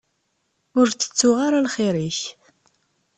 Ur tettuɣ ara lxir-ik.